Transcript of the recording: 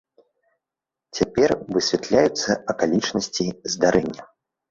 Цяпер высвятляюцца акалічнасці здарэння.